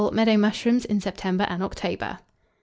Meadow mushrooms in September and October.